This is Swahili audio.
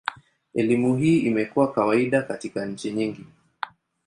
Elimu hii imekuwa kawaida katika nchi nyingi.